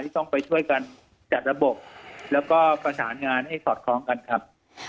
ต้องไปช่วยกันจัดระบบแล้วก็ประสานงานให้สอดคล้องกันครับ